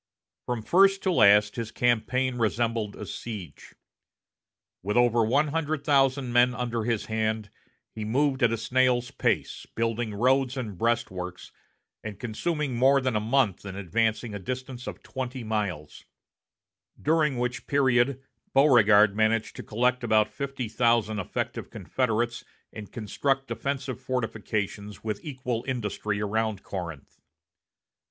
From first to last, his campaign resembled a siege. With over one hundred thousand men under his hand, he moved at a snail's pace, building roads and breastworks, and consuming more than a month in advancing a distance of twenty miles; during which period Beauregard managed to collect about fifty thousand effective Confederates and construct defensive fortifications with equal industry around Corinth.